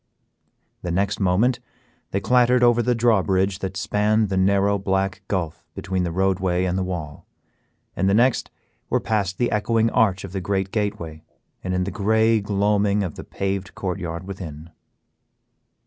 The next moment they clattered over the drawbridge that spanned the narrow black gulph between the roadway and the wall, and the next were past the echoing arch of the great gateway and in the gray gloaming of the paved court yard within.